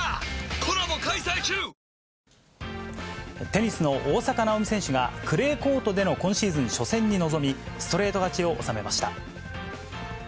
テニスの大坂なおみ選手が、クレーコートでの今シーズン初戦に臨み、ストレート勝ちを収めました。